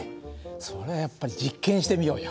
それはやっぱり実験してみようよ。